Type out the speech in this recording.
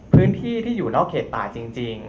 พื้นที่ที่อยู่นอกเขตป่าจริง